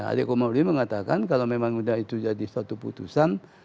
adi komarudin mengatakan kalau memang sudah itu jadi satu putusan